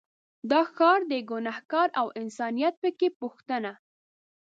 دا ښار دی ګنهار او انسانیت په کې پوښتنه